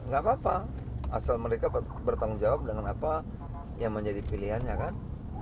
gak apa apa asal mereka bertanggung jawab dengan apa yang menjadi pilihannya kan